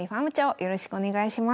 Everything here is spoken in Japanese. よろしくお願いします。